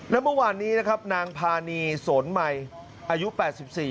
และเมื่อวานนี้นะครับนางพานีสนใหม่อายุ๘๔